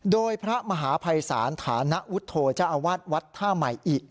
โดยพระมหาภัยศาลธานวุฒโฌจะอาวัดวัดท่าหมายอิ